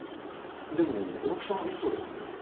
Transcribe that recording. でも大木さんは１曹ですよね？